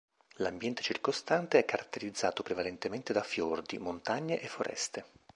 L'ambiente circostante è caratterizzato prevalentemente da fiordi, montagne e foreste.